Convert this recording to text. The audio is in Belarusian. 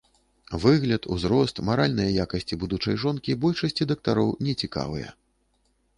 Выгляд, узрост, маральныя якасці будучай жонкі большасці дактароў не цікавыя.